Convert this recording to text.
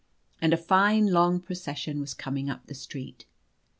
And a fine long procession was coming up the street.